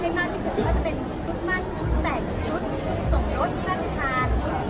ให้มากที่สุดถ้าจะเป็นชุดมั่นชุดแต่งชุดส่งรถผ้าชุดทานชุดไหว้